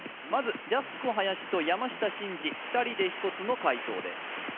まずジャスコ林と山下真司２人で１つの解答です